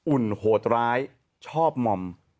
อุ่นโหดร้ายชอบหม่อม